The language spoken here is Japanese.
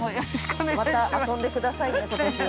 ◆また遊んでくださいねことしも。